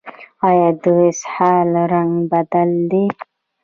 ایا د اسهال رنګ بدل دی؟